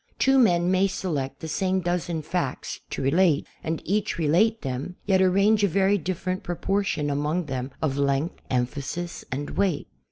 Two men may select the same dozen facts to relate and each relate them, yet arrange a verv different proportion among them of length, emphasis and weight.